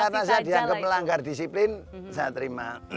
karena saya dianggap melanggar disiplin saya terima